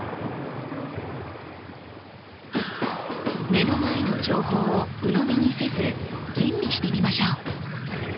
目の前の情報をうのみにせず吟味してみましょう。